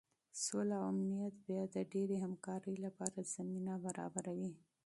سوله او امنیت بیا د ډیرې همکارۍ لپاره زمینه برابروي.